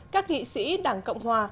các nghị sĩ đảng cộng hòa